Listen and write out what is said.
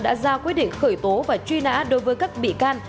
đã ra quyết định khởi tố và truy nã đối với các bị can